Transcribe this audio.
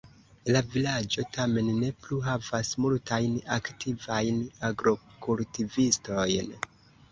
La vilaĝo tamen ne plu havas multajn aktivajn agrokultivistojn.